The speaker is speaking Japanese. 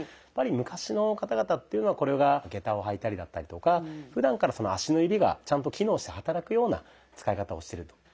やっぱり昔の方々っていうのはこれが下駄を履いたりだったりとかふだんから足の指がちゃんと機能して働くような使い方をしてると。